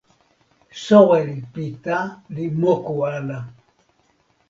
soweli Pita li moku ala.